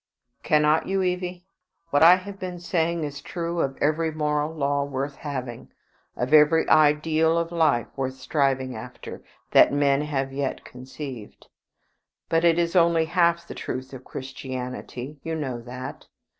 "Cannot you? Evie, what I have been saying is true of every moral law worth having, of every ideal of life worth striving after, that men have yet conceived. But it is only half the truth of Christianity. You know that.